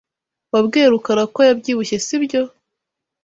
Wabwiye Rukara ko yabyibushye, sibyo?